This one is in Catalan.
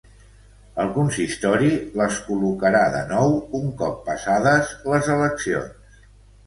El consistori les col·locarà de nou un cop passades les eleccions.